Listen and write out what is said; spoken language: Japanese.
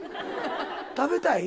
食べたい？